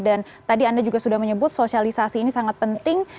dan tadi anda juga sudah menyebut sosialisasi ini sangat penting